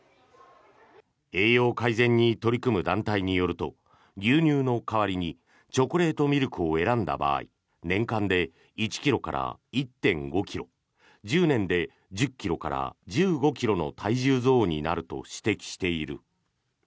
栄養改善に取り組む団体によると牛乳の代わりにチョコレートミルクを選んだ場合年間で１ｋｇから１．５ｋｇ１０年で１０ｋｇから１５ｋｇの体重増になると指摘している。